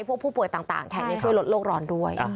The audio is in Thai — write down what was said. ผู้ป่วยต่างช่วยลดโรคร้อนด้วย